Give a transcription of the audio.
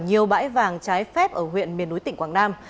nhiều bãi vàng trái phép ở huyện miền núi tỉnh quảng nam